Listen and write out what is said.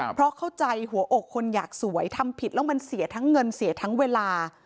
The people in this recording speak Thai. เพราะเข้าใจหัวอกคนอยากสวยทำผิดแล้วมันเสียทั้งเงินเสียทั้งเวลา